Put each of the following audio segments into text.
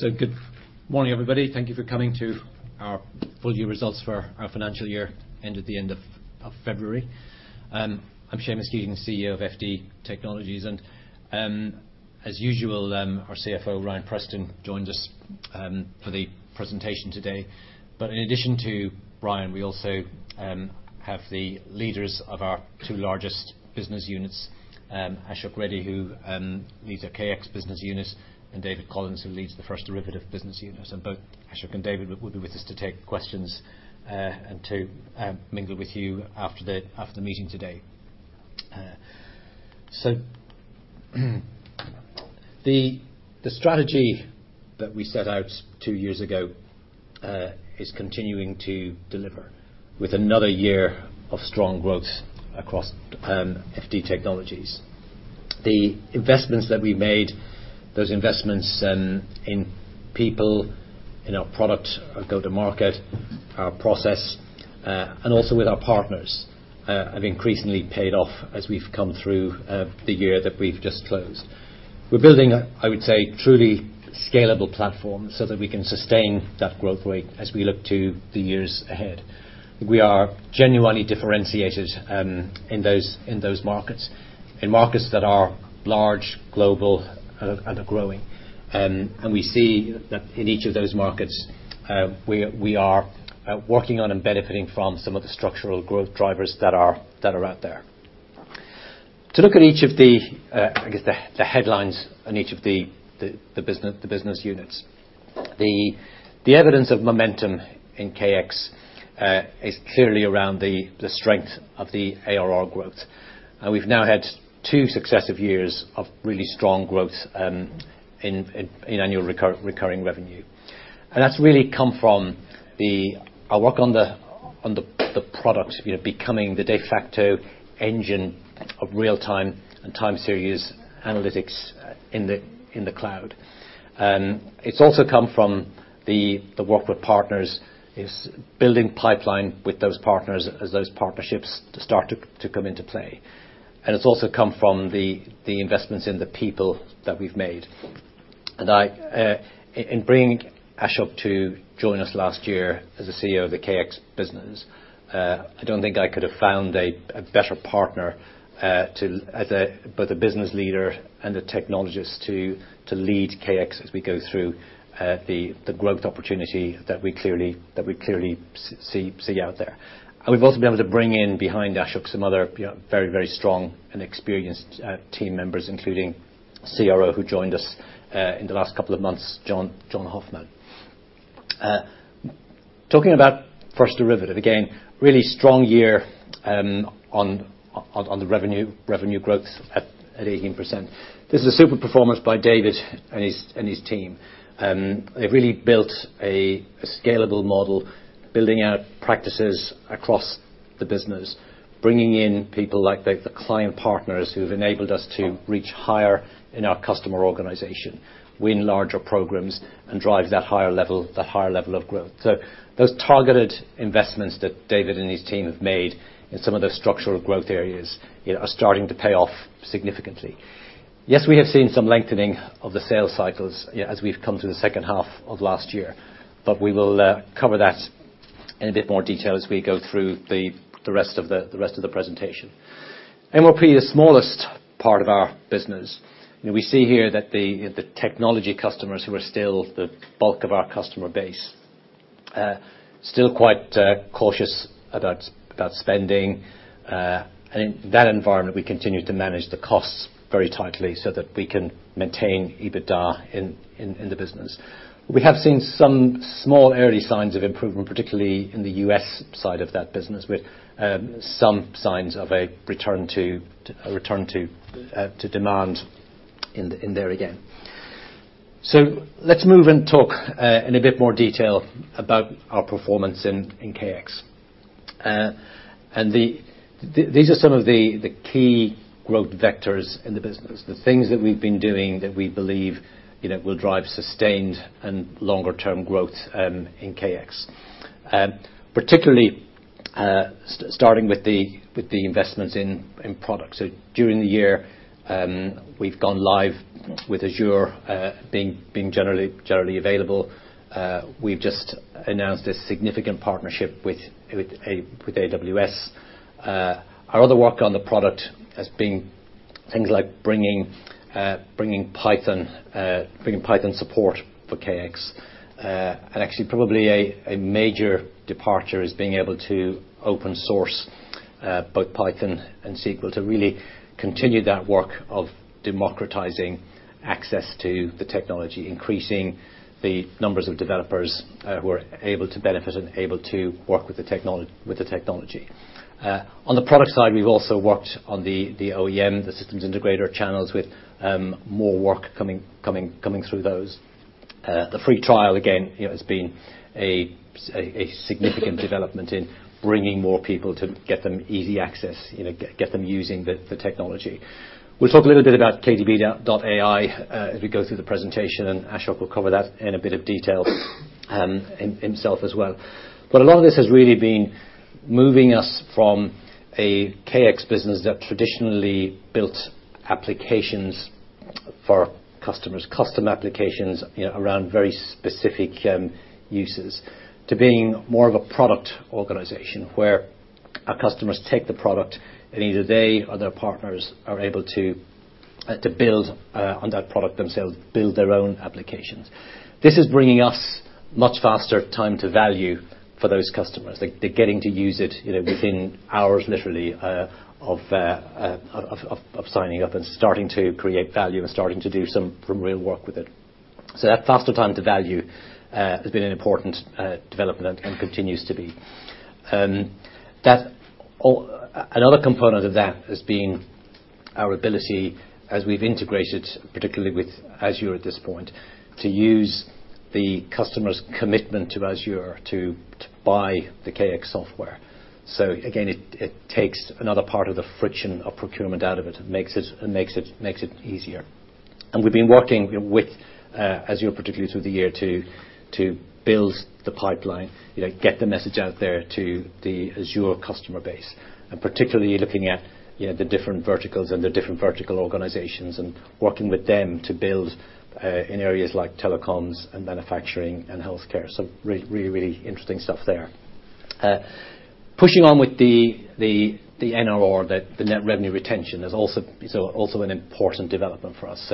Good morning, everybody. Thank you for coming to our full year results for our financial year, end of February. I'm Seamus Keating, CEO of FD Technologies, as usual, our CFO, Ryan Preston, joins us for the presentation today. In addition to Ryan, we also have the leaders of our two largest business units, Ashok Reddy, who leads our KX business unit, and David Collins, who leads the First Derivative business unit. Both Ashok and David will be with us to take questions and to mingle with you after the meeting today. The strategy that we set out two years ago is continuing to deliver with another year of strong growth across FD Technologies. The investments that we made, those investments, in people, in our product, our go-to market, our process, and also with our partners, have increasingly paid off as we've come through the year that we've just closed. We're building, I would say, truly scalable platforms so that we can sustain that growth rate as we look to the years ahead. We are genuinely differentiated, in those markets, in markets that are large, global, and are growing. We see that in each of those markets, we are working on and benefiting from some of the structural growth drivers that are out there. To look at each of the, I guess the headlines in each of the business units. The evidence of momentum in KX is clearly around the strength of the ARR growth. We've now had two successive years of really strong growth in annual recurring revenue. That's really come from our work on the product, you know, becoming the de facto engine of real-time and time series analytics in the cloud. It's also come from the work with partners, building pipeline with those partners as those partnerships start to come into play. It's also come from the investments in the people that we've made. In bringing Ashok to join us last year as a CEO of the KX business, I don't think I could have found a better partner as both a business leader and a technologist to lead KX as we go through the growth opportunity that we clearly see out there. We've also been able to bring in behind Ashok some other, you know, very strong and experienced team members, including CRO, who joined us in the last couple of months, John Hoffman. Talking about First Derivative, again, really strong year on the revenue growth at 18%. This is a super performance by David and his team. They've really built a scalable model, building out practices across the business, bringing in people like the client partners who've enabled us to reach higher in our customer organization, win larger programs, and drive that higher level of growth. Those targeted investments that David and his team have made in some of the structural growth areas, you know, are starting to pay off significantly. We have seen some lengthening of the sales cycles, yeah, as we've come through the second half of last year. We will cover that in a bit more detail as we go through the rest of the presentation. MRP is smallest part of our business. You know, we see here that the technology customers who are still the bulk of our customer base, still quite cautious about spending. In that environment, we continue to manage the costs very tightly so that we can maintain EBITDA in the business. We have seen some small early signs of improvement, particularly in the U.S. side of that business, with some signs of a return to demand in there again. Let's move and talk in a bit more detail about our performance in KX. These are some of the key growth vectors in the business, the things that we've been doing that we believe, you know, will drive sustained and longer term growth in KX. Particularly, starting with the investments in product. During the year, we've gone live with Azure, being generally available. We've just announced a significant partnership with AWS. Our other work on the product has been things like bringing Python support for KX. Actually probably a major departure is being able to open source both Python and SQL to really continue that work of democratizing access to the technology, increasing the numbers of developers who are able to benefit and able to work with the technology. On the product side, we've also worked on the OEM, the systems integrator channels with more work coming through those. The free trial again, you know, has been a significant development in bringing more people to get them easy access, you know, get them using the technology. We'll talk a little bit about KDB.AI as we go through the presentation. Ashok will cover that in a bit of detail himself as well. A lot of this has really been moving us from a KX business that traditionally built applications for customers, custom applications, you know, around very specific uses to being more of a product organization where our customers take the product and either they or their partners are able to build on that product themselves, build their own applications. This is bringing us much faster time to value for those customers. They're getting to use it, you know, within hours literally, of signing up and starting to create value and starting to do some real work with it. That faster time to value has been an important development and continues to be. That another component of that has been our ability as we've integrated, particularly with Azure at this point, to use the customer's commitment to Azure to buy the KX software. Again, it takes another part of the friction of procurement out of it and makes it easier. We've been working with Azure particularly through the year to build the pipeline, you know, get the message out there to the Azure customer base, and particularly looking at, you know, the different verticals and the different vertical organizations, and working with them to build in areas like telecoms and manufacturing and healthcare. Really interesting stuff there. Pushing on with the NRR, the net revenue retention is also an important development for us.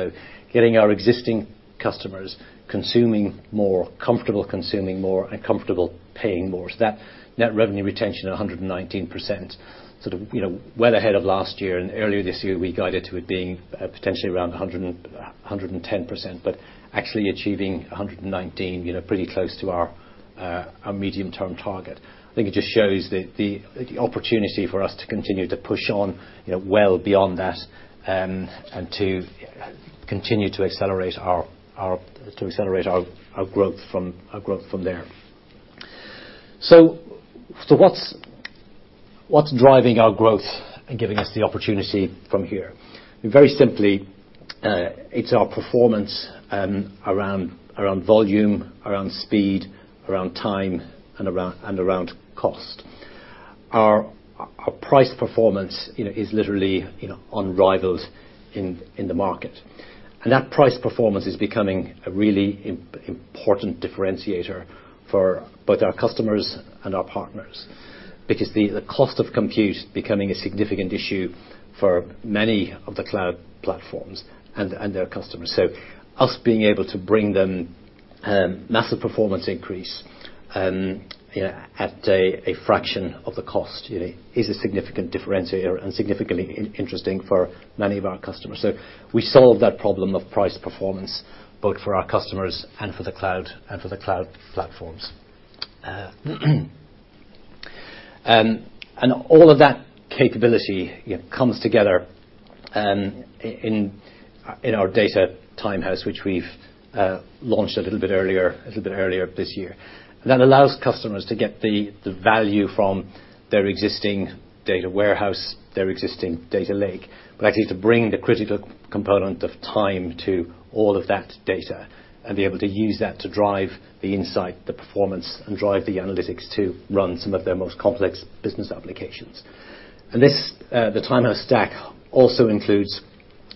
Getting our existing customers consuming more, comfortable consuming more and comfortable paying more. That net revenue retention at 119% sort of, you know, well ahead of last year and earlier this year we guided to it being potentially around 110%. Actually achieving 119, you know, pretty close to our medium-term target. I think it just shows the opportunity for us to continue to push on, you know, well beyond that, and to continue to accelerate our growth from there. What's driving our growth and giving us the opportunity from here? Very simply, it's our performance around volume, around speed, around time, and around cost. Our price performance, you know, is literally, you know, unrivaled in the market. That price performance is becoming a really important differentiator for both our customers and our partners because the cost of compute is becoming a significant issue for many of the cloud platforms and their customers. Us being able to bring them, massive performance increase, you know, at a fraction of the cost, you know, is a significant differentiator and significantly in-interesting for many of our customers. We solve that problem of price performance both for our customers and for the cloud, and for the cloud platforms. And all of that capability, you know, comes together in our Data Timehouse, which we've launched a little bit earlier this year. That allows customers to get the value from their existing data warehouse, their existing data lake, but actually to bring the critical component of time to all of that data and be able to use that to drive the insight, the performance, and drive the analytics to run some of their most complex business applications. This, the time house stack also includes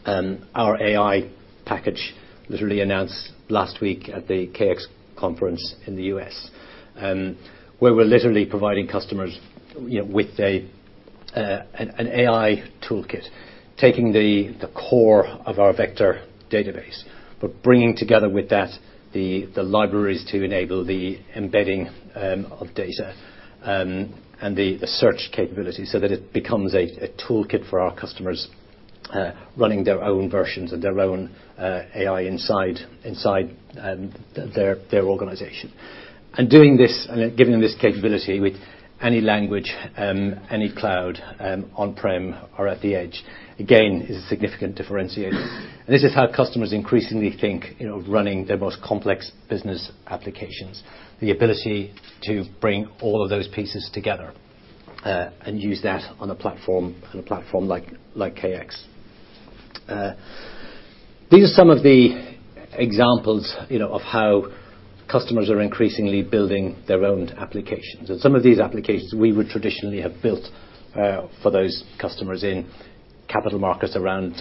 our AI package, literally announced last week at the KXCON in the U.S., where we're literally providing customers, you know, with an AI toolkit, taking the core of our vector database, but bringing together with that the libraries to enable the embedding of data and the search capability so that it becomes a toolkit for our customers, running their own versions and their own AI inside their organization. Doing this and giving them this capability with any language, any cloud, on-prem or at the edge, again, is a significant differentiator. This is how customers increasingly think, you know, running their most complex business applications, the ability to bring all of those pieces together and use that on a platform like KX. These are some of the examples, you know, of how customers are increasingly building their own applications. Some of these applications we would traditionally have built for those customers in capital markets around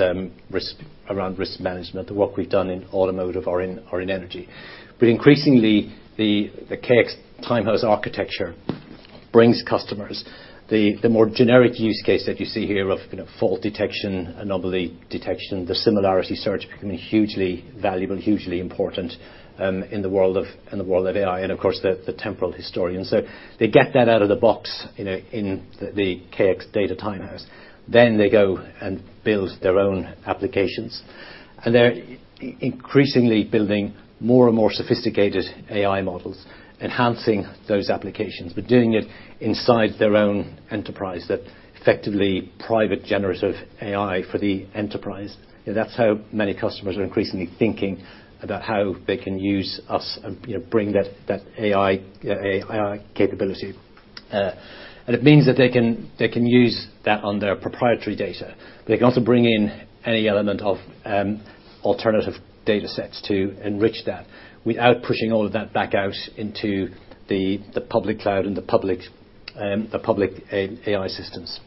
risk, around risk management, the work we've done in automotive or in energy. Increasingly the KX time house architecture brings customers the more generic use case that you see here of, you know, fault detection, anomaly detection, the similarity search becoming hugely valuable, hugely important in the world of AI, and of course the temporal historian. They get that out of the box, you know, in the KX Data Timehouse. They go and build their own applications. They're increasingly building more and more sophisticated AI models, enhancing those applications, but doing it inside their own enterprise, that effectively private generative AI for the enterprise. You know, that's how many customers are increasingly thinking about how they can use us and, you know, bring that AI capability. And it means that they can, they can use that on their proprietary data. They can also bring in any element of alternative data sets to enrich that without pushing all of that back out into the public cloud and the public, the public AI systems.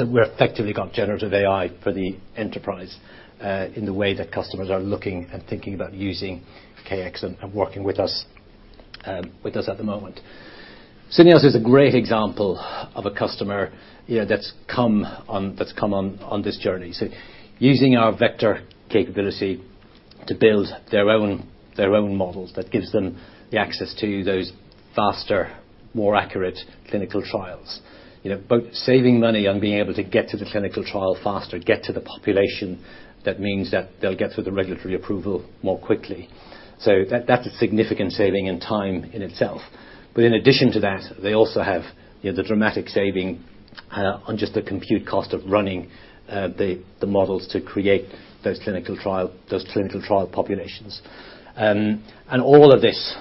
We're effectively got generative AI for the enterprise in the way that customers are looking and thinking about using KX and working with us, with us at the moment. Syneos is a great example of a customer, you know, that's come on this journey. Using our vector capability to build their own, their own models that gives them the access to those faster, more accurate clinical trials. You know, both saving money and being able to get to the clinical trial faster, get to the population that means that they'll get through the regulatory approval more quickly. That, that's a significant saving in time in itself. In addition to that, they also have, you know, the dramatic saving on just the compute cost of running the models to create those clinical trial populations. All of this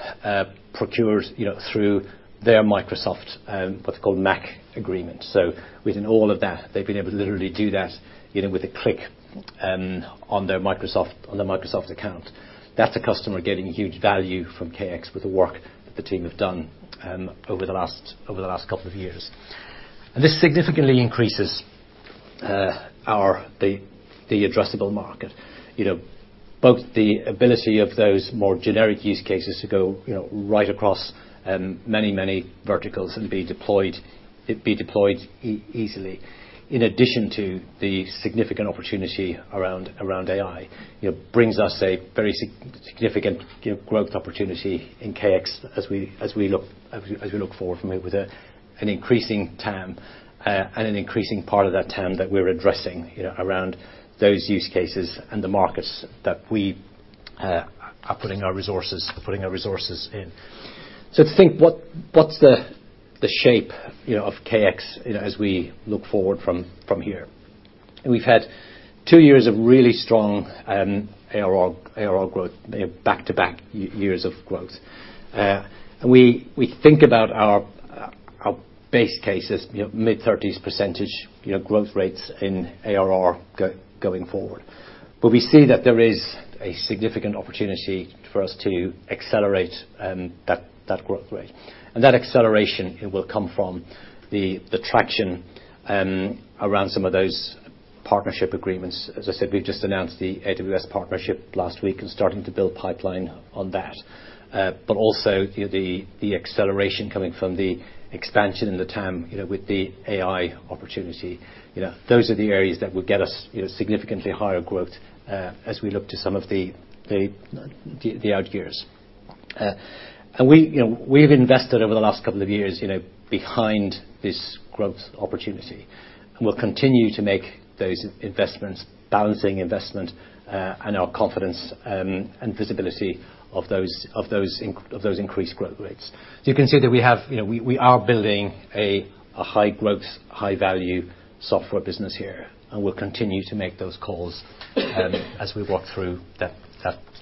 procures, you know, through their Microsoft, what's called MACC agreement. Within all of that, they've been able to literally do that, you know, with a click on the Microsoft account. That's a customer getting huge value from KX with the work that the team have done over the last couple of years. This significantly increases the addressable market. You know, both the ability of those more generic use cases to go, you know, right across many verticals and it'd be deployed easily in addition to the significant opportunity around AI. You know, brings us a very significant, you know, growth opportunity in KX as we look forward from it with an increasing TAM, and an increasing part of that TAM that we're addressing, you know, around those use cases and the markets that we are putting our resources in. To think what's the shape, you know, of KX, you know, as we look forward from here. We've had two years of really strong ARR growth, you know, back-to-back years of growth. We think about our base cases, you know, mid-30s%, you know, growth rates in ARR going forward. We see that there is a significant opportunity for us to accelerate that growth rate. That acceleration, it will come from the traction, around some of those partnership agreements. As I said, we've just announced the AWS partnership last week and starting to build pipeline on that. Also, you know, the acceleration coming from the expansion in the TAM, you know, with the AI opportunity. You know, those are the areas that will get us, you know, significantly higher growth, as we look to some of the out years. We, you know, we've invested over the last couple of years, you know, behind this growth opportunity, and we'll continue to make those investments, balancing investment, and our confidence, and visibility of those, of those increased growth rates. You can see that we have, you know, we are building a high growth, high value software business here, and we'll continue to make those calls, as we work through that,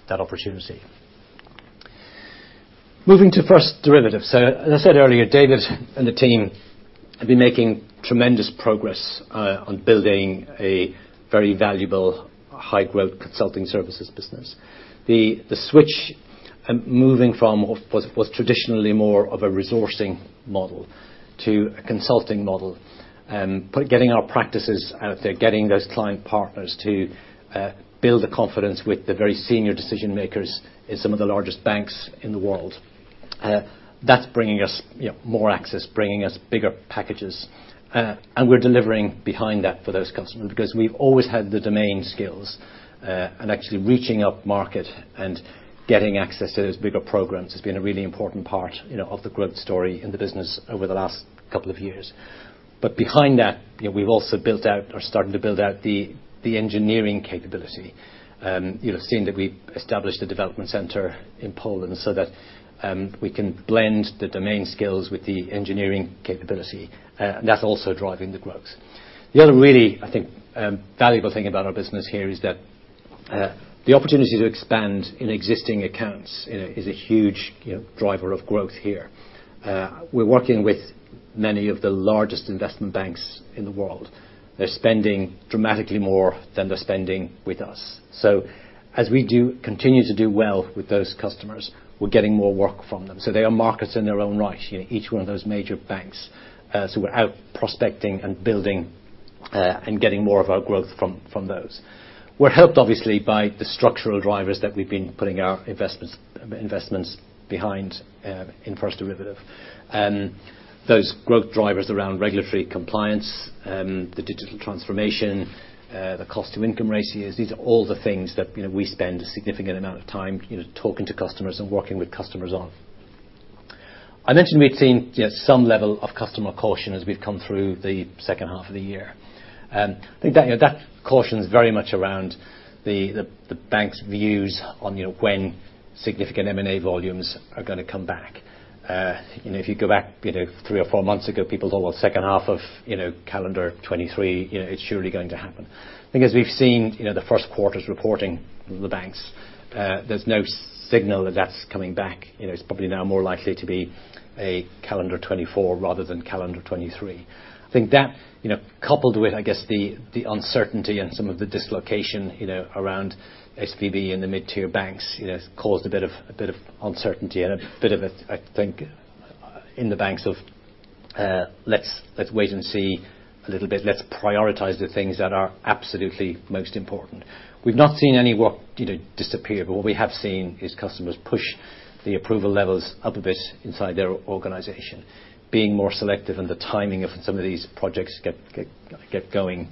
that opportunity. Moving to First Derivative. As I said earlier, David and the team have been making tremendous progress, on building a very valuable high growth consulting services business. The switch, moving from what's traditionally more of a resourcing model to a consulting model, put getting our practices out there, getting those client partners to build the confidence with the very senior decision makers in some of the largest banks in the world. That's bringing us, you know, more access, bringing us bigger packages. We're delivering behind that for those customers because we've always had the domain skills. Actually reaching up market and getting access to those bigger programs has been a really important part, you know, of the growth story in the business over the last couple of years. Behind that, you know, we've also built out or starting to build out the engineering capability. You know, seeing that we established a development center in Poland so that we can blend the domain skills with the engineering capability, that's also driving the growth. The other really, I think, valuable thing about our business here is that the opportunity to expand in existing accounts is a huge, you know, driver of growth here. We're working with many of the largest investment banks in the world. They're spending dramatically more than they're spending with us. As we do continue to do well with those customers, we're getting more work from them. They are markets in their own right, you know, each one of those major banks. We're out prospecting and building and getting more of our growth from those. We're helped obviously by the structural drivers that we've been putting our investments behind in First Derivative. Those growth drivers around regulatory compliance, the digital transformation, the cost to income ratios, these are all the things that, you know, we spend a significant amount of time, you know, talking to customers and working with customers on. I mentioned we'd seen, you know, some level of customer caution as we've come through the second half of the year. I think that, you know, that caution's very much around the bank's views on, you know, when significant M&A volumes are gonna come back. You know, if you go back, you know, three or four months ago, people thought, well, second half of, you know, calendar 2023, you know, it's surely going to happen. I think as we've seen, you know, the first quarters reporting the banks, there's no signal that that's coming back. You know, it's probably now more likely to be a calendar 2024 rather than calendar 2023. I think that, you know, coupled with, I guess, the uncertainty and some of the dislocation, you know, around SVB and the mid-tier banks, you know, has caused a bit of uncertainty and a bit of a, I think, let's wait and see a little bit. Let's prioritize the things that are absolutely most important. What we have seen is customers push the approval levels up a bit inside their organization, being more selective in the timing of some of these projects get going.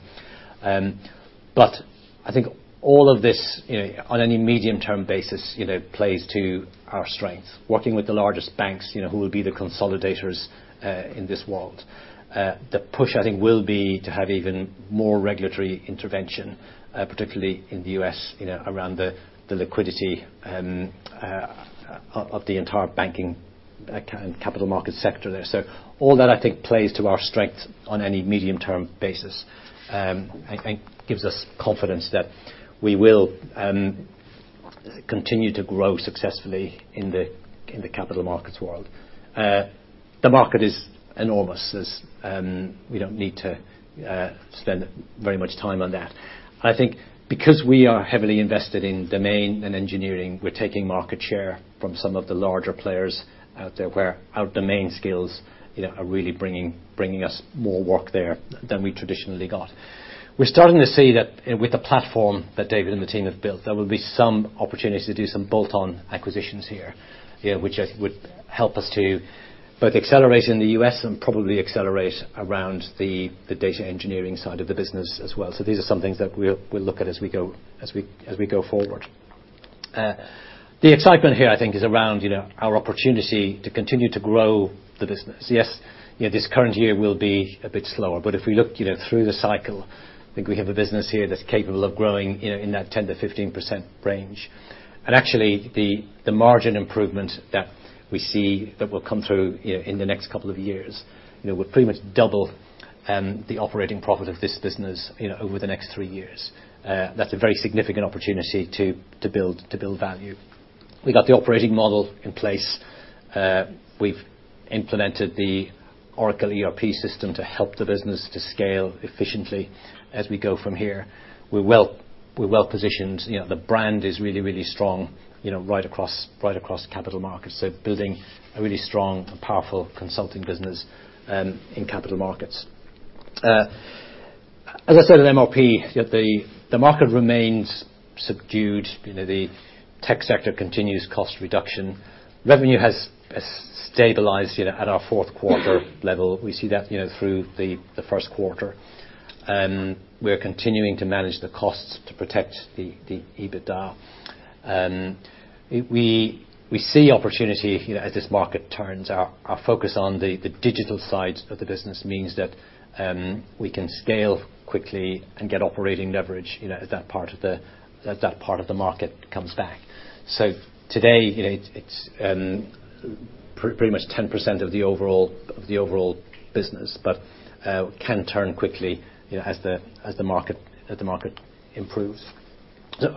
I think all of this, you know, on any medium-term basis, you know, plays to our strengths. Working with the largest banks, you know, who will be the consolidators in this world. The push, I think, will be to have even more regulatory intervention, particularly in the U.S., you know, around the liquidity of the entire banking and capital market sector there. All that I think plays to our strengths on any medium-term basis. Gives us confidence that we will continue to grow successfully in the capital markets world. The market is enormous. There's. We don't need to spend very much time on that. I think because we are heavily invested in domain and engineering, we're taking market share from some of the larger players out there, where our domain skills, you know, are really bringing us more work there than we traditionally got. We're starting to see that with the platform that David and the team have built, there will be some opportunities to do some bolt-on acquisitions here, you know, which, I think, would help us to both accelerate in the U.S. and probably accelerate around the data engineering side of the business as well. These are some things that we'll look at as we go forward. The excitement here, I think, is around, you know, our opportunity to continue to grow the business. Yes, you know, this current year will be a bit slower, but if we look, you know, through the cycle, I think we have a business here that's capable of growing, you know, in that 10%-15% range. Actually, the margin improvement that we see that will come through, you know, in the next couple of years, you know, will pretty much double the operating profit of this business, you know, over the next three years. That's a very significant opportunity to build value. We got the operating model in place. We've implemented the Oracle ERP system to help the business to scale efficiently as we go from here. We're well-positioned. You know, the brand is really, really strong, you know, right across, right across capital markets, so building a really strong and powerful consulting business in capital markets. As I said at MRP, you know, the market remains subdued. You know, the tech sector continues cost reduction. Revenue has stabilized, you know, at our fourth quarter level. We see that, you know, through the first quarter. We're continuing to manage the costs to protect the EBITDA. We see opportunity, you know, as this market turns. Our focus on the digital sides of the business means that we can scale quickly and get operating leverage, you know, as that part of the market comes back. Today, you know, it's pretty much 10% of the overall business, but can turn quickly, you know, as the market improves.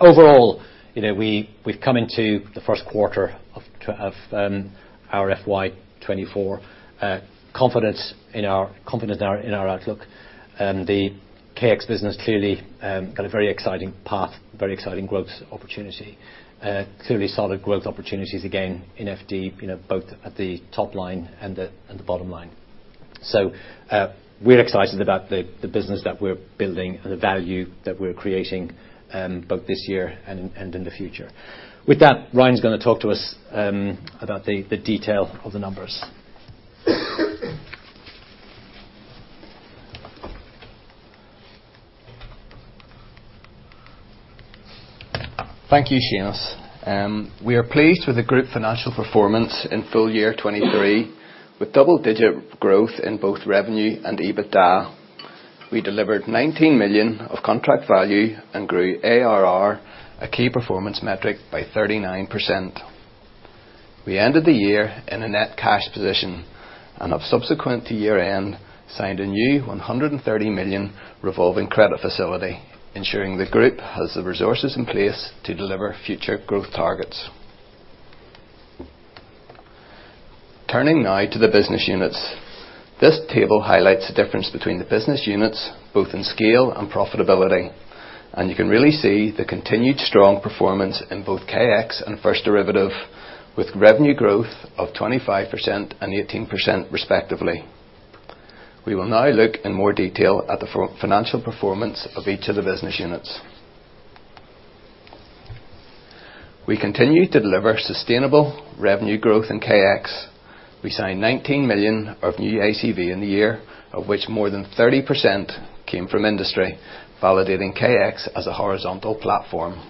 Overall, you know, we've come into the first quarter of our FY 2024, confidence in our outlook. The KX business clearly got a very exciting path, very exciting growth opportunity. Clearly solid growth opportunities again in FD, you know, both at the top line and the bottom line. We're excited about the business that we're building and the value that we're creating, both this year and in the future. With that, Ryan's gonna talk to us about the detail of the numbers. Thank you, Seamus. We are pleased with the group financial performance in full year 2023, with double-digit growth in both revenue and EBITDA. We delivered 19 million of contract value and grew ARR, a key performance metric, by 39%. We ended the year in a net cash position and have subsequent to year-end signed a new 130 million revolving credit facility, ensuring the group has the resources in place to deliver future growth targets. Turning now to the business units. This table highlights the difference between the business units, both in scale and profitability. You can really see the continued strong performance in both KX and First Derivative, with revenue growth of 25% and 18% respectively. We will now look in more detail at the financial performance of each of the business units. We continue to deliver sustainable revenue growth in KX. We signed 19 million of new ICV in the year, of which more than 30% came from industry, validating KX as a horizontal platform.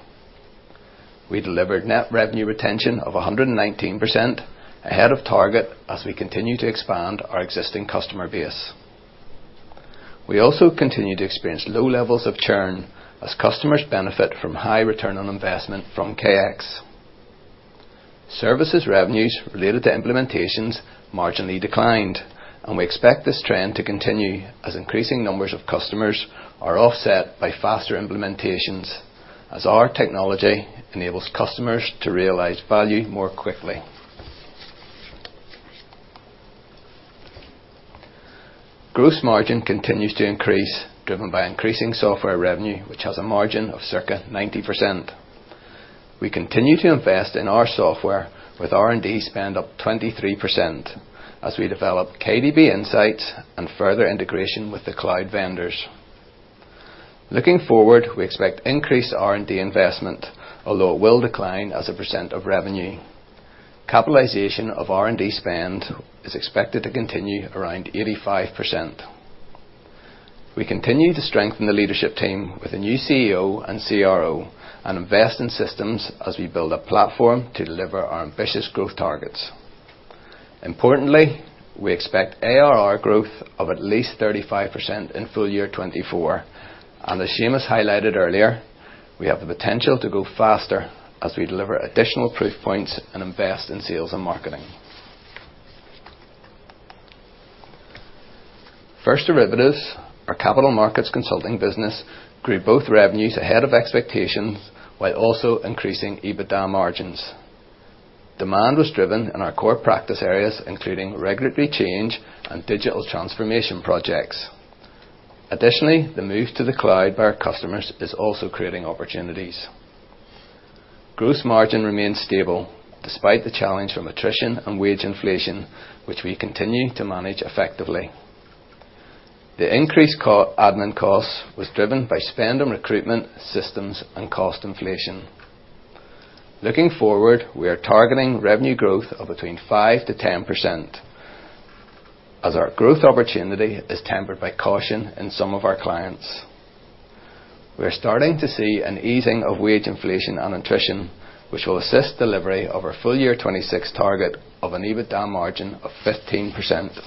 We delivered net revenue retention of 119% ahead of target as we continue to expand our existing customer base. We also continue to experience low levels of churn as customers benefit from high return on investment from KX. Services revenues related to implementations marginally declined. We expect this trend to continue as increasing numbers of customers are offset by faster implementations as our technology enables customers to realize value more quickly. Gross margin continues to increase, driven by increasing software revenue, which has a margin of circa 90%. We continue to invest in our software with R&D spend up 23% as we develop KDB Insights and further integration with the cloud vendors. Looking forward, we expect increased R&D investment, although it will decline as a percent of revenue. Capitalization of R&D spend is expected to continue around 85%. We continue to strengthen the leadership team with a new CEO and CRO and invest in systems as we build a platform to deliver our ambitious growth targets. Importantly, we expect ARR growth of at least 35% in full year 2024. As Seamus highlighted earlier, we have the potential to grow faster as we deliver additional proof points and invest in sales and marketing. First Derivative, our capital markets consulting business, grew both revenues ahead of expectations while also increasing EBITDA margins. Demand was driven in our core practice areas, including regulatory change and digital transformation projects. Additionally, the move to the cloud by our customers is also creating opportunities. Gross margin remains stable despite the challenge from attrition and wage inflation, which we continue to manage effectively. The increased admin costs was driven by spend on recruitment, systems and cost inflation. Looking forward, we are targeting revenue growth of between 5%-10%, as our growth opportunity is tempered by caution in some of our clients. We are starting to see an easing of wage inflation and attrition, which will assist delivery of our full year 2026 target of an EBITDA margin of 15%.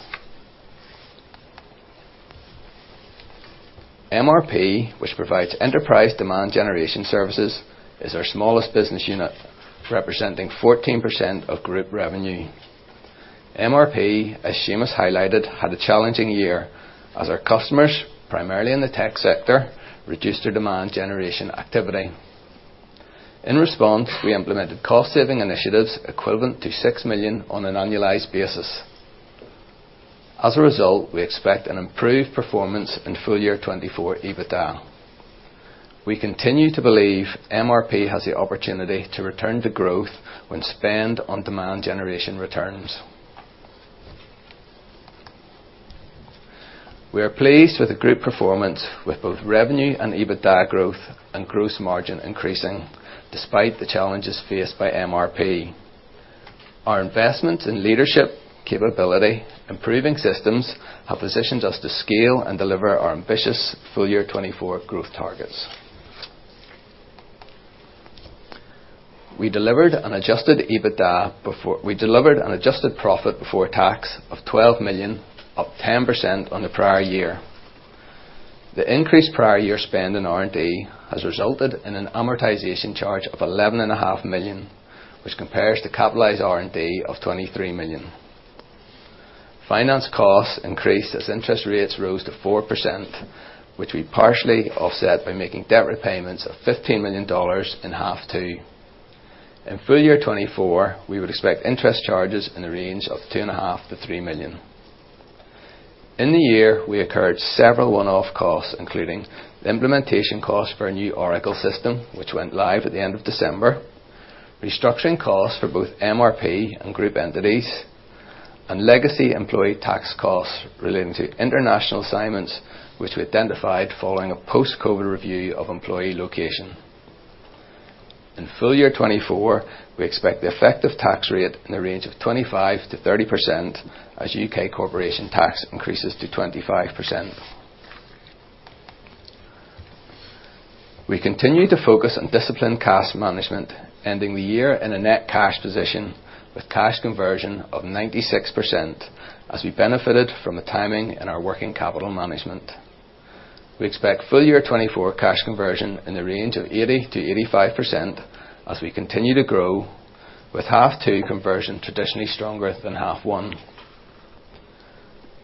MRP, which provides enterprise demand generation services, is our smallest business unit, representing 14% of group revenue. MRP, as Seamus highlighted, had a challenging year as our customers, primarily in the tech sector, reduced their demand generation activity. In response, we implemented cost saving initiatives equivalent to 6 million on an annualized basis. As a result, we expect an improved performance in full year 2024 EBITDA. We continue to believe MRP has the opportunity to return to growth when spend on demand generation returns. We are pleased with the group performance with both revenue and EBITDA growth and gross margin increasing despite the challenges faced by MRP. Our investment in leadership capability, improving systems, have positioned us to scale and deliver our ambitious full year 2024 growth targets. We delivered an adjusted profit before tax of 12 million, up 10% on the prior year. The increased prior year spend in R&D has resulted in an amortization charge of 11.5 million, which compares to capitalized R&D of 23 million. Finance costs increased as interest rates rose to 4%, which we partially offset by making debt repayments of $15 million in half two. In full year 2024, we would expect interest charges in the range of two and a half to 3 million. In the year, we occurred several one-off costs, including the implementation cost for a new Oracle system, which went live at the end of December, restructuring costs for both MRP and group entities, and legacy employee tax costs relating to international assignments, which we identified following a post-COVID review of employee location. In full year 2024, we expect the effective tax rate in the range of 25%-30% as UK corporation tax increases to 25%. We continue to focus on disciplined cash management, ending the year in a net cash position with cash conversion of 96% as we benefited from the timing in our working capital management. We expect full year 2024 cash conversion in the range of 80%-85% as we continue to grow, with half two conversion traditionally stronger than half one.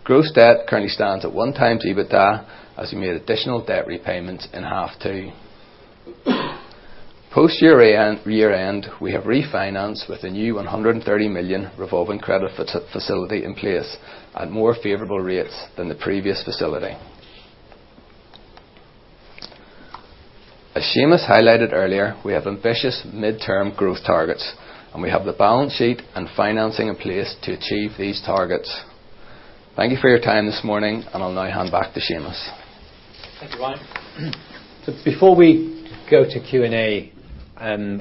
Gross debt currently stands at 1x EBITDA as we made additional debt repayments in half two. Post year end, we have refinanced with a new 130 million revolving credit facility in place at more favorable rates than the previous facility. As Seamus highlighted earlier, we have ambitious midterm growth targets, and we have the balance sheet and financing in place to achieve these targets. Thank you for your time this morning, I'll now hand back to Seamus. Thank you, Ryan. Before we go to Q&A,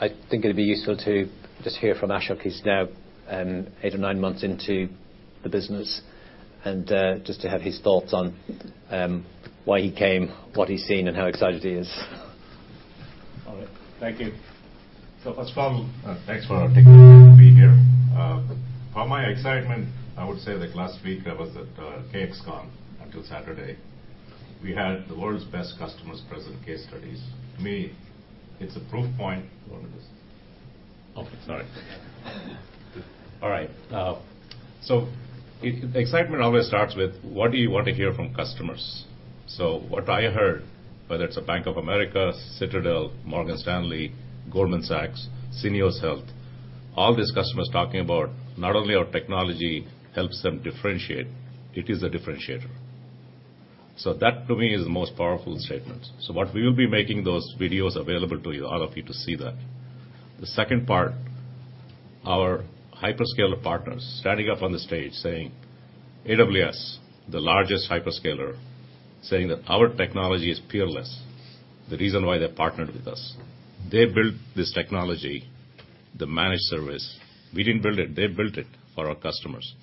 I think it'd be useful to just hear from Ashok, who's now, eight or nine months into the business, and just to have his thoughts on why he came, what he's seen, and how excited he is. All right. Thank you. First of all, thanks for taking the time to be here. For my excitement, I would say that last week I was at KXCON until Saturday. We had the world's best customers present case studies. To me, it's a proof point. What is this? Oh, sorry. All right. Excitement always starts with, what do you want to hear from customers? What I heard, whether it's a Bank of America, Citadel, Morgan Stanley, Goldman Sachs, Syneos Health, all these customers talking about not only our technology helps them differentiate, it is a differentiator. That to me is the most powerful statement. What we will be making those videos available to you, all of you to see that. The second part, our hyperscaler partners standing up on the stage saying, AWS, the largest hyperscaler, saying that our technology is peerless. The reason why they partnered with us. They built this technology, the managed service. We didn't build it, they built it for our customers.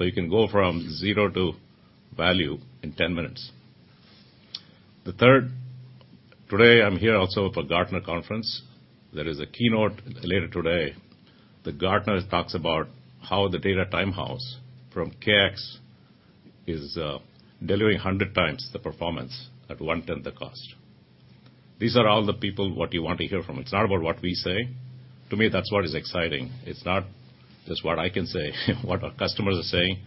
You can go from zero to value in 10 minutes. The third, today I'm here also for Gartner conference. There is a keynote later today. The Gartner talks about how the Data Timehouse from KX is delivering 100 times the performance at one-tenth the cost. These are all the people what you want to hear from. It's not about what we say. To me, that's what is exciting. It's not just what I can say, what our customers are saying.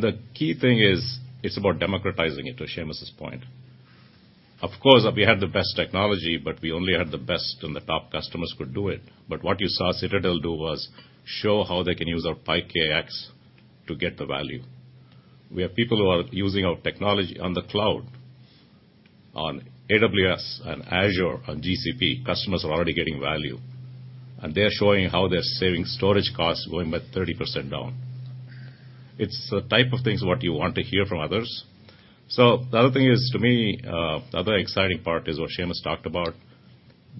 The key thing is it's about democratizing it, to Seamus' point. Of course, we have the best technology, but we only had the best and the top customers could do it. What you saw Citadel do was show how they can use our PyKX to get the value. We have people who are using our technology on the cloud, on AWS and Azure and GCP. Customers are already getting value, and they are showing how they're saving storage costs going by 30% down. It's the type of things what you want to hear from others. The other thing is, to me, the other exciting part is what Seamus talked about.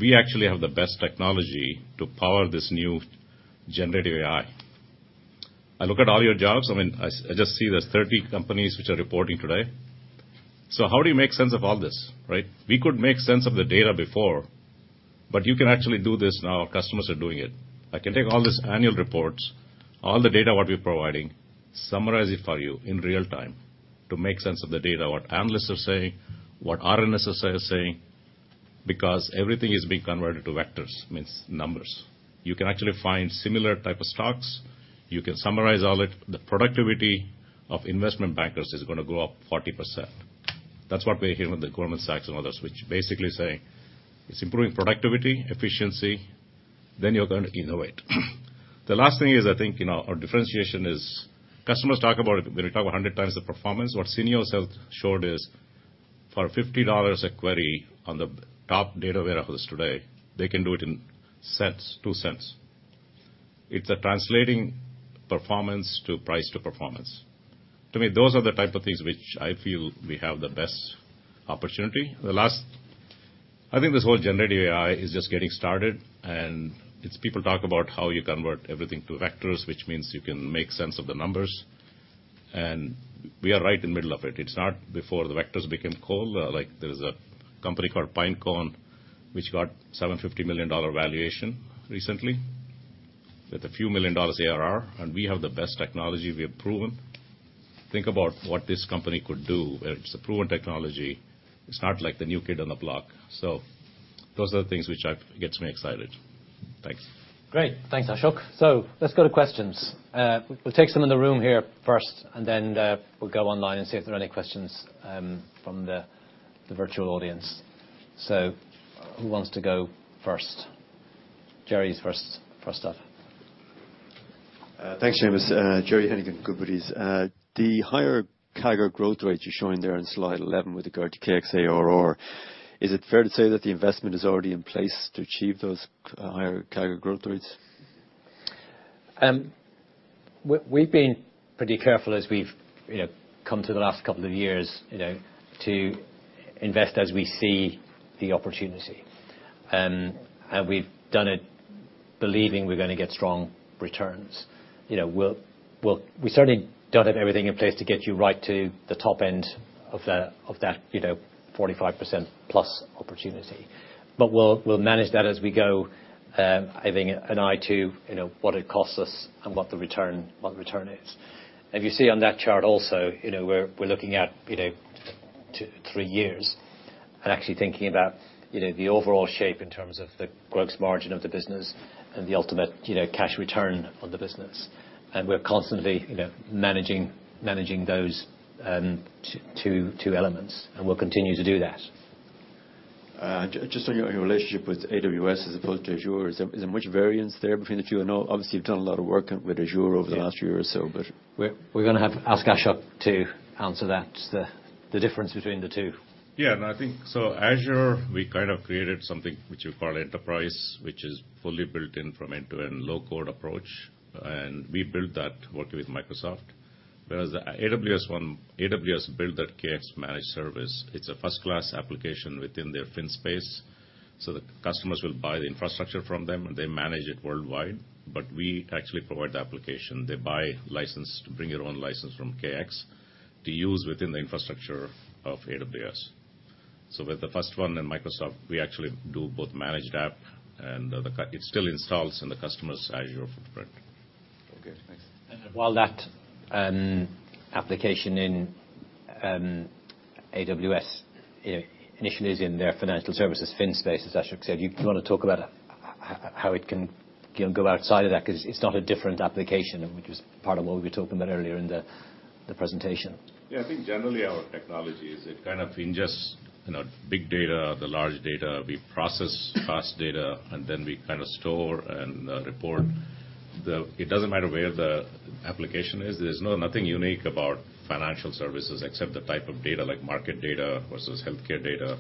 We actually have the best technology to power this new generative AI. I look at all your jobs. I mean, I just see there's 30 companies which are reporting today. How do you make sense of all this, right? We could make sense of the data before, but you can actually do this now. Our customers are doing it. I can take all these annual reports, all the data what we're providing, summarize it for you in real time to make sense of the data, what analysts are saying, what RNS is saying, because everything is being converted to vectors, means numbers. You can actually find similar type of stocks. You can summarize all it. The productivity of investment bankers is gonna go up 40%. That's what we hear with the Goldman Sachs and others, which basically saying it's improving productivity, efficiency, then you're going to innovate. The last thing is, I think, you know, our differentiation is customers talk about it, they talk about 100 times the performance. What Syneos Health showed is for $50 a query on the top data warehouse today, they can do it in cents, $0.02. It's a translating performance to price to performance. To me, those are the type of things which I feel we have the best opportunity. The last... I think this whole generative AI is just getting started, and it's people talk about how you convert everything to vectors, which means you can make sense of the numbers, and we are right in the middle of it. It's not before the vectors became cold. Like there's a company called Pinecone, which got $750 million valuation recently with a few million dollars ARR, and we have the best technology we have proven. Think about what this company could do, where it's a proven technology. It's not like the new kid on the block. Those are the things which I've... gets me excited. Thanks. Great. Thanks, Ashok. Let's go to questions. We'll take some in the room here first, and then we'll go online and see if there are any questions from the virtual audience. Who wants to go first? Gerry's first up. Thanks, Seamus. Gerry Hennigan, Goodbody. The higher CAGR growth rates you're showing there in slide 11 with regard to KX ARR, is it fair to say that the investment is already in place to achieve those higher CAGR growth rates? We've been pretty careful as we've, you know, come to the last couple of years, you know, to invest as we see the opportunity. We've done it believing we're gonna get strong returns. You know, we certainly don't have everything in place to get you right to the top end of the, of that, you know, 45% plus opportunity. We'll manage that as we go, having an eye to, you know, what it costs us and what the return is. If you see on that chart also, you know, we're looking at, you know, two, three years and actually thinking about, you know, the overall shape in terms of the gross margin of the business and the ultimate, you know, cash return on the business. We're constantly, you know, managing those, two elements, and we'll continue to do that. Just on your relationship with AWS as opposed to Azure, is there much variance there between the two? I know obviously you've done a lot of work with Azure over the last year or so. We're gonna ask Ashok to answer that, the difference between the two. Azure, we kind of created something which you call enterprise, which is fully built in from end-to-end low code approach, and we built that working with Microsoft. AWS built that KX managed service. It's a first-class application within their FinSpace, so the customers will buy the infrastructure from them, and they manage it worldwide. We actually provide the application. They buy license to bring your own license from KX to use within the infrastructure of AWS. With the first one in Microsoft, we actually do both managed app and it still installs in the customer's Azure footprint. Okay, thanks. While that application in AWS initially is in their financial services FinSpace, as Ashok said, you wanna talk about how it can go outside of that? 'Cause it's not a different application, which is part of what we were talking about earlier in the presentation. I think generally our technology is it kind of ingests, you know, big data, the large data. We process fast data, and then we kind of store and report. It doesn't matter where the application is. There's nothing unique about financial services except the type of data, like market data versus healthcare data.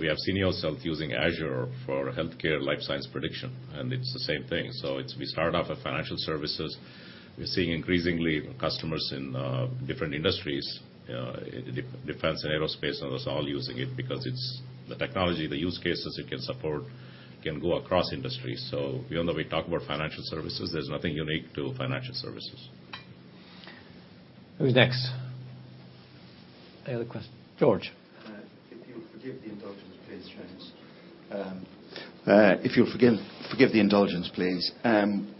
We have Syneos Health using Azure for healthcare life science prediction, and it's the same thing. It's. We start off with financial services. We're seeing increasingly customers in different industries, defense and aerospace, and those are all using it because it's the technology, the use cases it can support can go across industries. Even though we talk about financial services, there's nothing unique to financial services. Who's next? Any other quest-- George? If you'll forgive the indulgence please, Seamus. If you'll forgive the indulgence, please.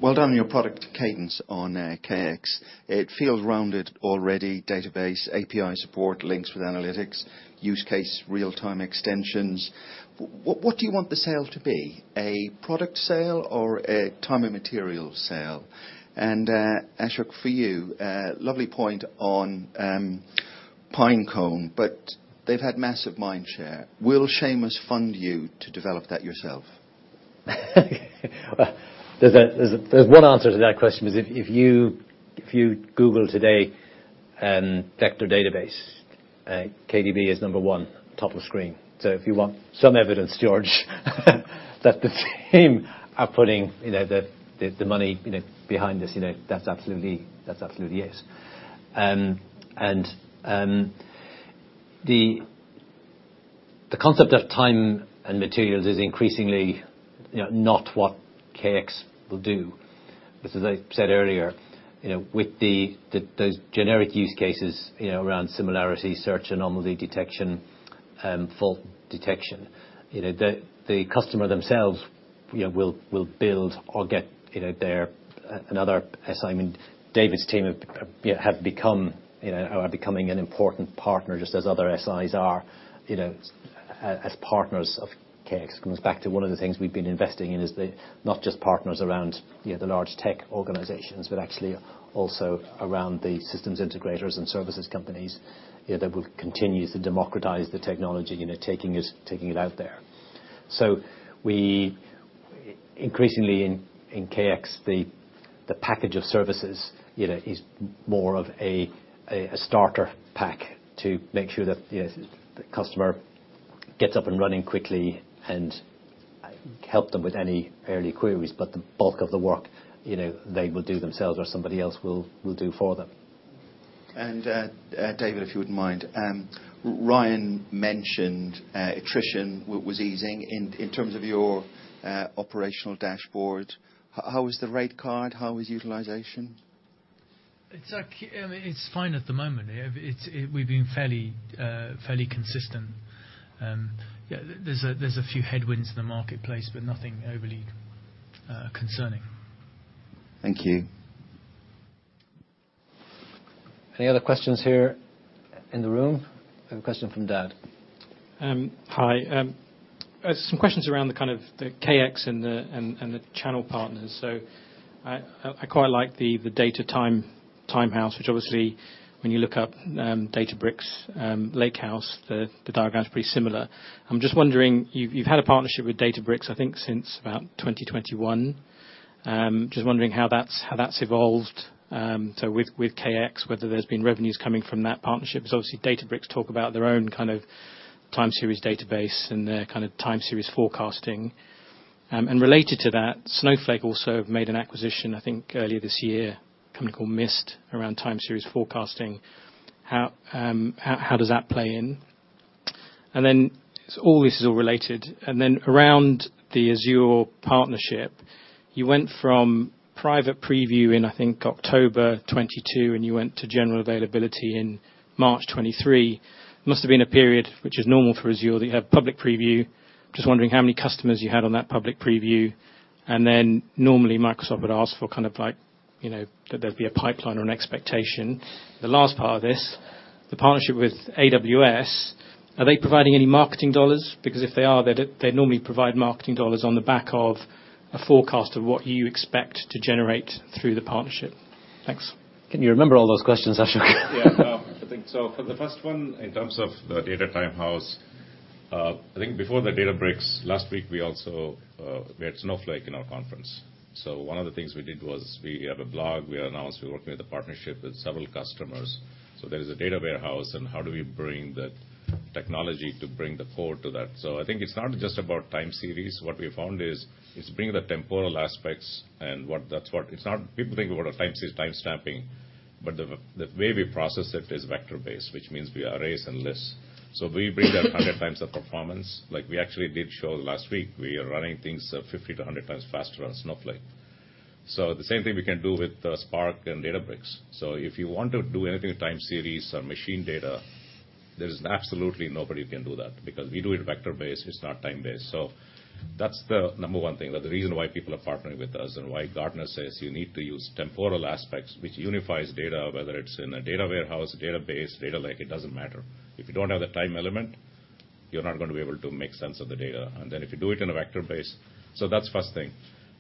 Well done on your product cadence on KX. It feels rounded already. Database, API support, links with analytics, use case, real-time extensions. What do you want the sale to be? A product sale or a time and material sale? Ashok, for you, lovely point on Pinecone, but they've had massive mind share. Will Seamus fund you to develop that yourself? There's one answer to that question, because if you, if you Google today, vector database, KDB+ is number one, top of screen. If you want some evidence, George, that the team are putting, you know, the money, you know, behind this, you know, that's absolutely it. The concept of time and materials is increasingly, you know, not what KX will do. As I said earlier, you know, with those generic use cases, you know, around similarity search, anomaly detection, fault detection, you know, the customer themselves, you know, will build or get, you know, another assignment. David's team have, you know, become, you know, are becoming an important partner, just as other SIs are, you know, as partners of KX. Comes back to one of the things we've been investing in is the, not just partners around, you know, the large tech organizations, but actually also around the systems integrators and services companies, you know, that will continue to democratize the technology, you know, taking it, taking it out there. We increasingly in KX, the package of services, you know, is more of a starter pack to make sure that, you know, the customer gets up and running quickly and help them with any early queries. The bulk of the work, you know, they will do themselves or somebody else will do for them. David, if you wouldn't mind, Ryan mentioned attrition was easing. In terms of your operational dashboard, how is the rate card? How is utilization? It's, I mean, it's fine at the moment. It's. We've been fairly consistent. Yeah, there's a few headwinds in the marketplace, but nothing overly concerning. Thank you. Any other questions here in the room? I have a question from Dan. Hi. some questions around the kind of the KX and the channel partners. I quite like the Data Timehouse, which obviously when you look up Databricks Lakehouse, the diagram is pretty similar. I'm just wondering, you've had a partnership with Databricks I think since about 2021. just wondering how that's evolved. With KX, whether there's been revenues coming from that partnership, because obviously Databricks talk about their own kind of time series database and their kind of time series forecasting. related to that, Snowflake also have made an acquisition, I think earlier this year, a company called Myst AI, around time series forecasting. How does that play in? All this is all related. Around the Azure partnership, you went from private preview in, I think, October 2022, and you went to general availability in March 2023. Must have been a period which is normal for Azure that you have public preview. Just wondering how many customers you had on that public preview, and then normally Microsoft would ask for kind of like, you know, that there'd be a pipeline or an expectation. The last part of this, the partnership with AWS, are they providing any marketing dollars? Because if they are, they normally provide marketing dollars on the back of a forecast of what you expect to generate through the partnership. Thanks. Can you remember all those questions, Ashok? Yeah. No. I think so. For the first one, in terms of the Data Timehouse. I think before the Databricks last week, we also had Snowflake in our conference. One of the things we did was we have a blog. We announced we're working with a partnership with several customers. There is a data warehouse, and how do we bring the technology to bring the core to that? I think it's not just about time series. What we found is bringing the temporal aspects. People think about a time stamping, but the way we process it is vector-based, which means via arrays and lists. We bring them 100 times the performance. Like, we actually did show last week, we are running things 50-100 times faster on Snowflake. The same thing we can do with Spark and Databricks. If you want to do anything with time series or machine data, there is absolutely nobody who can do that because we do it vector-based, it's not time-based. That's the number one thing. That the reason why people are partnering with us and why Gartner says you need to use temporal aspects which unifies data, whether it's in a data warehouse, a database, data lake, it doesn't matter. If you don't have the time element, you're not going to be able to make sense of the data. If you do it in a vector base. That's first thing.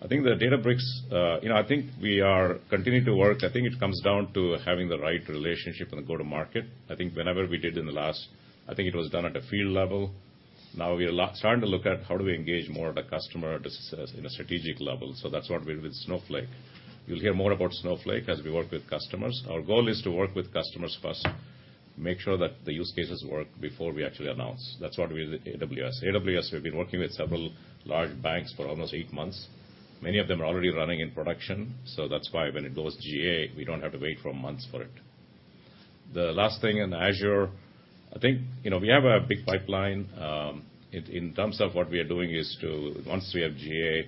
I think the Databricks, you know, I think we are continuing to work. I think it comes down to having the right relationship and the go-to-market. I think whenever we did in the last... I think it was done at a field level. Now we are starting to look at how do we engage more of the customer at a in a strategic level. That's what we did with Snowflake. You'll hear more about Snowflake as we work with customers. Our goal is to work with customers first, make sure that the use cases work before we actually announce. That's what we did with AWS. AWS, we've been working with several large banks for almost eight months. Many of them are already running in production, so that's why when it goes GA, we don't have to wait for months for it. The last thing in Azure, I think, you know, we have a big pipeline. in terms of what we are doing is to once we have GA,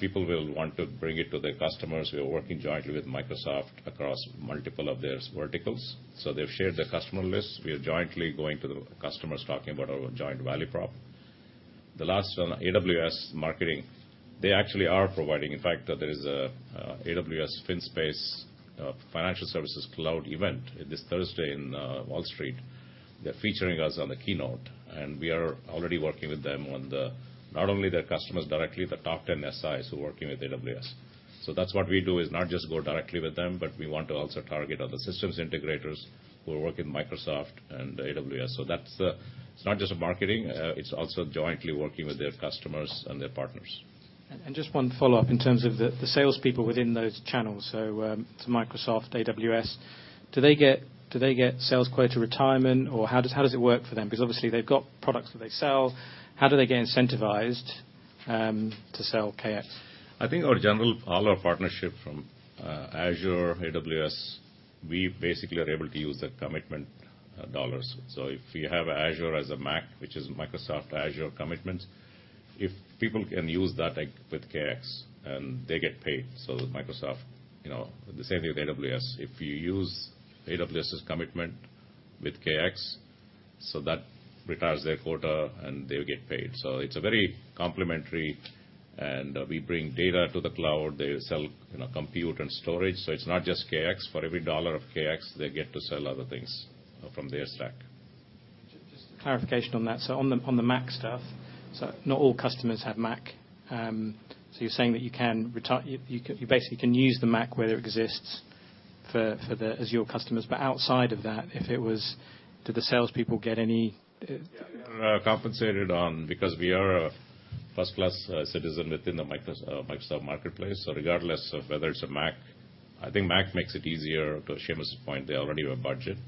people will want to bring it to their customers. We are working jointly with Microsoft across multiple of their verticals. They've shared their customer list. We are jointly going to the customers talking about our joint value prop. The last one, AWS marketing, they actually are providing, in fact, there is a AWS FinSpace financial services cloud event this Thursday in Wall Street. They're featuring us on the keynote, and we are already working with them on the, not only their customers directly, the top 10 SIs who are working with AWS. That's what we do, is not just go directly with them, but we want to also target other systems integrators who are working with Microsoft and AWS. That's, it's not just marketing, it's also jointly working with their customers and their partners. Just one follow-up in terms of the sales people within those channels. Microsoft, AWS, do they get sales quota retirement or how does it work for them? Obviously they've got products that they sell. How do they get incentivized to sell KX? I think all our partnership from Azure, AWS, we basically are able to use the commitment dollars. If you have Azure as a MAC, which is Microsoft Azure Commitments, if people can use that, like, with KX, and they get paid. With Microsoft, you know, the same with AWS. If you use AWS's Commitment with KX, that retires their quota and they'll get paid. It's a very complementary, and we bring data to the cloud. They sell, you know, compute and storage. It's not just KX. For every dollar of KX, they get to sell other things from their stack. Just a clarification on that. On the MAC stuff, so not all customers have MAC. You're saying that you can basically can use the MAC where it exists for the Azure customers. Outside of that, if it was... Do the sales people get any... Yeah. They're compensated on because we are a first class citizen within the Microsoft marketplace. Regardless of whether it's a MAC, I think MAC makes it easier. To Seamus' point, they already have a budget.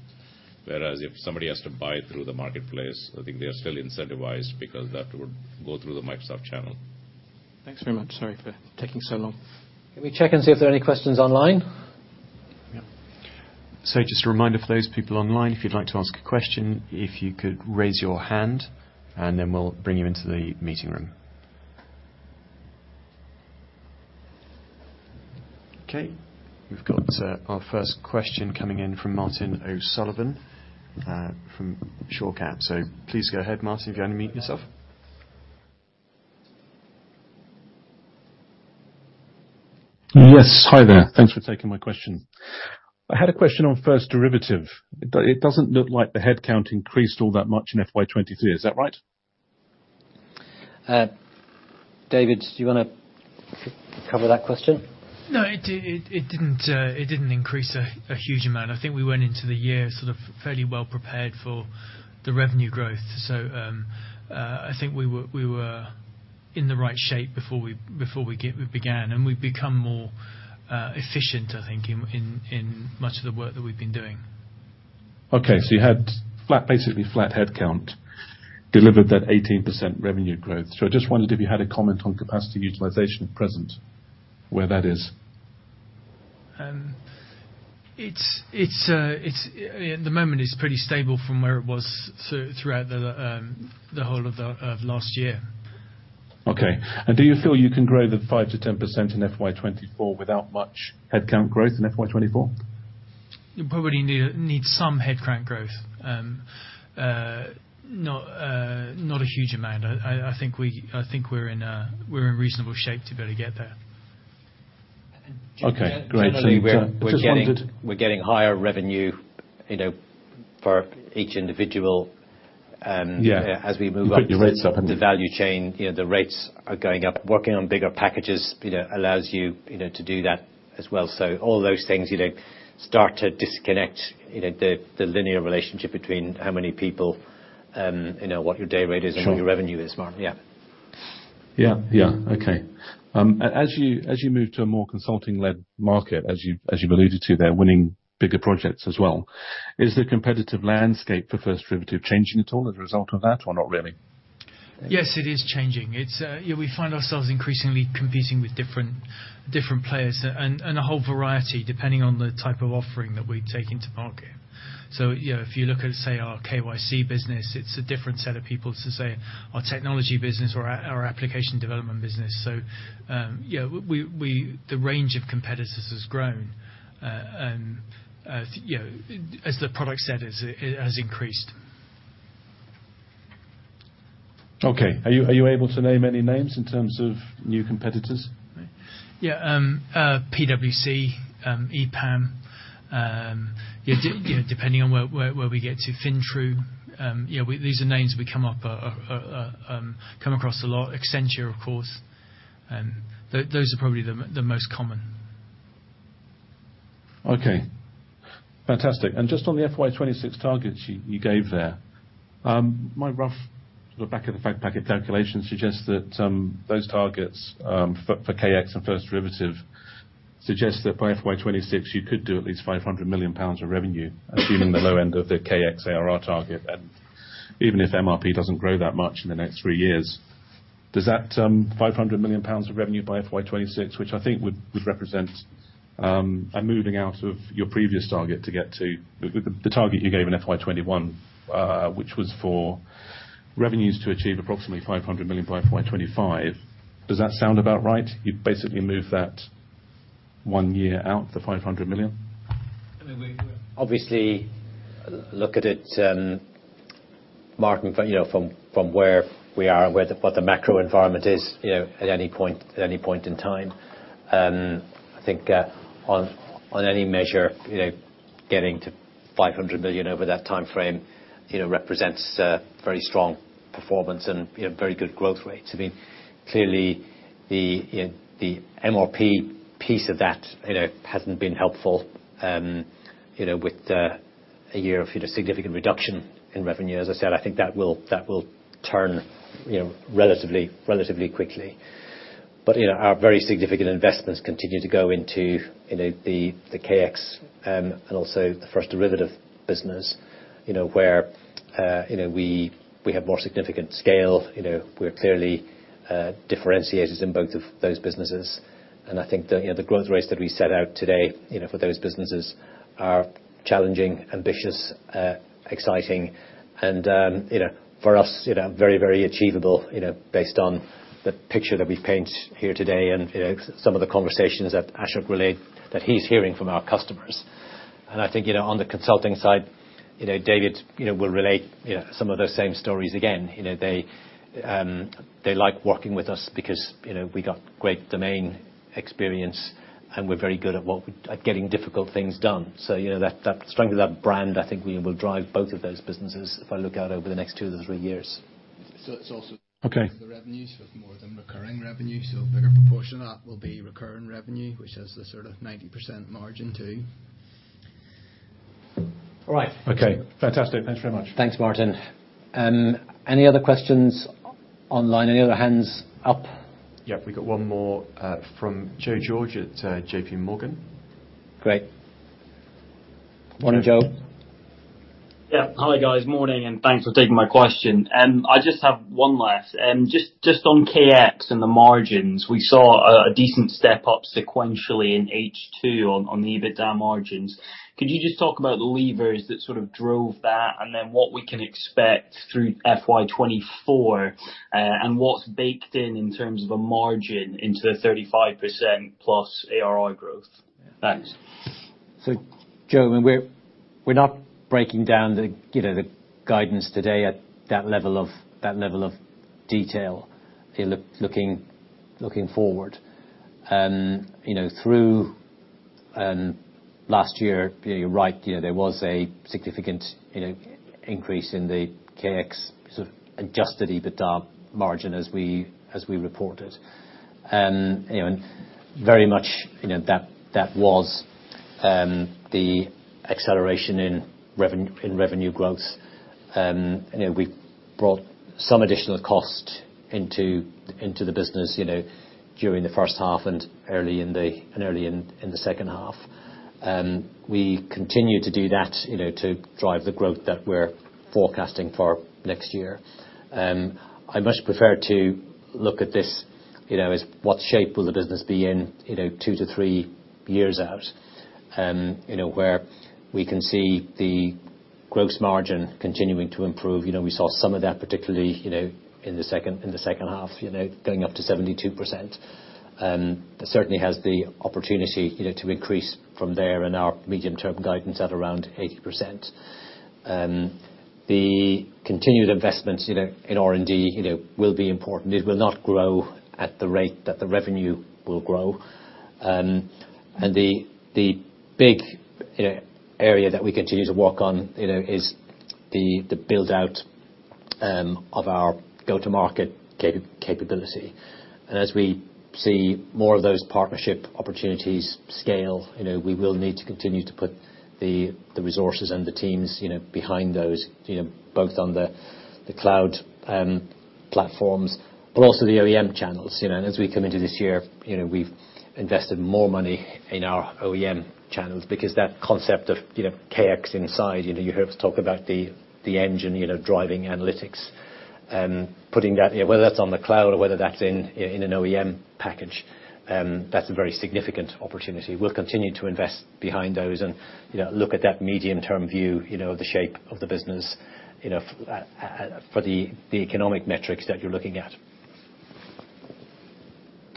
Whereas if somebody has to buy through the marketplace, I think they are still incentivized because that would go through the Microsoft channel. Thanks very much. Sorry for taking so long. Can we check and see if there are any questions online? Yep. Just a reminder for those people online, if you'd like to ask a question, if you could raise your hand, and then we'll bring you into the meeting room. Okay. We've got our first question coming in from Martin O'Sullivan from Shore Capital. Please go ahead, Martin, go and unmute yourself. Yes. Hi there. Thanks for taking my question. I had a question on First Derivative. It doesn't look like the headcount increased all that much in FY 2023. Is that right? David, do you wanna cover that question? No, it did, it didn't increase a huge amount. I think we went into the year sort of fairly well prepared for the revenue growth. I think we were in the right shape before we began. We've become more efficient, I think, in much of the work that we've been doing. Okay. You had flat, basically flat headcount, delivered that 18% revenue growth. I just wondered if you had a comment on capacity utilization at present, where that is. At the moment, it's pretty stable from where it was throughout the whole of last year. Okay. Do you feel you can grow the 5%-10% in FY 2024 without much headcount growth in FY 2024? You probably need some headcount growth. Not a huge amount. I think we're in a reasonable shape to be able to get there. Okay, great. Generally, we're getting higher revenue, you know, for each individual. Yeah As we move up the value chain, you know, the rates are going up. Working on bigger packages, you know, allows you know, to do that as well. All those things, you know, start to disconnect, you know, the linear relationship between how many people, you know, what your day rate is- Sure and what your revenue is, Martin. Yeah. Yeah. Yeah. Okay. As you, as you move to a more consulting-led market, as you, as you've alluded to there, winning bigger projects as well, is the competitive landscape for First Derivative changing at all as a result of that or not really? Yes, it is changing. It's. Yeah, we find ourselves increasingly competing with different players and a whole variety depending on the type of offering that we take into market. You know, if you look at, say, our KYC business, it's a different set of people to, say, our technology business or our application development business. Yeah, we. The range of competitors has grown. You know, as the product set has increased. Okay. Are you able to name any names in terms of new competitors? Yeah. PwC, EPAM. depending on where, where we get to FinTrU. Yeah, these are names we come across a lot. Accenture, of course. those are probably the most common. Okay, fantastic. Just on the FY 2026 targets you gave there. My rough sort of back of the fact packet calculations suggest that those targets for KX and First Derivative suggest that by FY 2026 you could do at least 500 million pounds of revenue, assuming the low end of the KX ARR target. Even if MRP doesn't grow that much in the next three years, does that 500 million pounds of revenue by FY 2026, which I think would represent a moving out of your previous target to get to the target you gave in FY 2021, which was for revenues to achieve approximately 500 million by FY 2025. Does that sound about right? You basically move that one year out, the 500 million? I mean, we obviously look at it, marking from, you know, from where we are and what the macro environment is, you know, at any point in time. I think on any measure, you know, getting to 500 million over that timeframe, you know, represents a very strong performance and, you know, very good growth rates. I mean, clearly the, you know, the MRP piece of that, you know, hasn't been helpful, you know, with a year of, you know, significant reduction in revenue. As I said, I think that will turn, you know, relatively quickly. You know, our very significant investments continue to go into, you know, the KX and also the First Derivative business, you know, where, you know, we have more significant scale. You know, we're clearly differentiated in both of those businesses. I think the, you know, the growth rates that we set out today, you know, for those businesses are challenging, ambitious, exciting and, you know, for us, you know, very, very achievable, you know, based on the picture that we paint here today and, you know, some of the conversations that Ashok relate-- that he's hearing from our customers. I think, you know, on the consulting side, you know, David, you know, will relate, you know, some of those same stories again. You know, they like working with us because, you know, we've got great domain experience, and we're very good at getting difficult things done. That strength of that brand, I think we will drive both of those businesses if I look out over the next two to three years. So it's also- Okay. -the revenues with more of them recurring revenue, so a bigger proportion of that will be recurring revenue, which has the sort of 90% margin too. All right. Okay. Fantastic. Thanks very much. Thanks, Martin. Any other questions online? Any other hands up? Yeah. We've got one more from Joe George at JPMorgan. Great. Morning, Joe. Yeah. Hi, guys. Morning. Thanks for taking my question. I just have one last. Just on KX and the margins, we saw a decent step up sequentially in H2 on the EBITDA margins. Could you just talk about the levers that sort of drove that, and then what we can expect through FY 2024, and what's baked in in terms of a margin into the 35% plus ARR growth? Thanks. Joe, I mean, we're not breaking down the guidance today at that level of detail looking forward. Through last year, you're right. There was a significant increase in the KX sort of adjusted EBITDA margin as we reported. And very much that was the acceleration in revenue growth. We brought some additional cost into the business during the first half and early in the second half. We continue to do that to drive the growth that we're forecasting for next year. I much prefer to look at this, you know, as what shape will the business be in, you know, two to three years out, you know, where we can see the gross margin continuing to improve. You know, we saw some of that particularly, you know, in the second, in the second half, you know, going up to 72%. That certainly has the opportunity, you know, to increase from there in our medium-term guidance at around 80%. The continued investments, you know, in R&D, you know, will be important. It will not grow at the rate that the revenue will grow. And the big, you know, area that we continue to work on, you know, is the build-out of our go-to-market capability. As we see more of those partnership opportunities scale, you know, we will need to continue to put the resources and the teams, you know, behind those, you know, both on the cloud platforms, but also the OEM channels. As we come into this year, you know, we've invested more money in our OEM channels because that concept of, you know, KX Inside, you know, you heard us talk about the engine, you know, driving analytics. Putting that, you know, whether that's on the cloud or whether that's in an OEM package, that's a very significant opportunity. We'll continue to invest behind those and, you know, look at that medium-term view, you know, the shape of the business, for the economic metrics that you're looking at.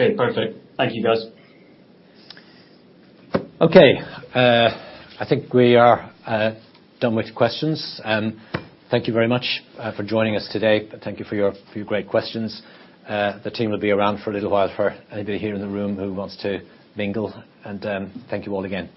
Okay. Perfect. Thank you, guys. Okay. I think we are done with questions. Thank you very much for joining us today. Thank you for your great questions. The team will be around for a little while for anybody here in the room who wants to mingle. Thank you all again.